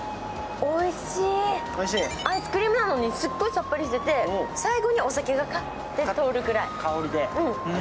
アイスクリームなのにすっごいさっぱりしてて最後にお酒がふわって通るくらい。